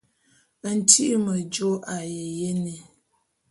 Ntyi'i mejô a ye jene.